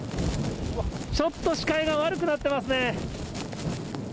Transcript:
ちょっと視界が悪くなってますね。